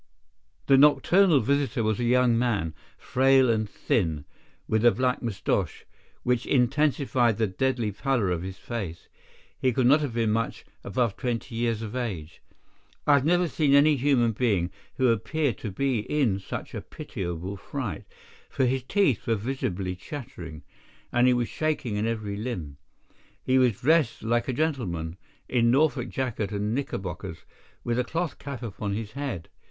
The nocturnal visitor was a young man, frail and thin, with a black moustache, which intensified the deadly pallor of his face. He could not have been much above twenty years of age. I have never seen any human being who appeared to be in such a pitiable fright, for his teeth were visibly chattering, and he was shaking in every limb. He was dressed like a gentleman, in Norfolk jacket and knickerbockers, with a cloth cap upon his head.